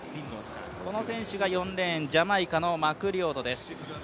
この選手が４レーン、ジャマイカのマクリオドです。